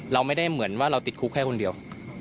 เราไม่ได้เหมือนว่าเราติดคุกแค่คนเดียว